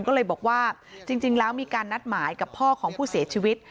ก็เลยบอกว่าจริงแล้วมีการนัดหมายกับพ่อของผู้เสียชีวิต